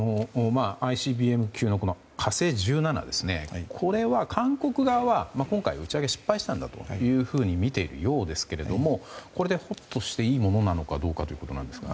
ＩＣＢＭ級の「火星１７」は韓国側は、今回打ち上げに失敗したんだとみているようですけどもこれでほっとしていいのかというところですが。